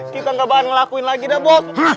kita nggak bakal ngelakuin lagi dah bos